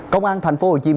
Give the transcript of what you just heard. công an tp hcm